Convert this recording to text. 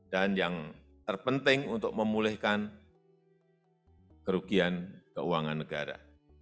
dan yang terpenting untuk memulihkan kerugian keuangan negara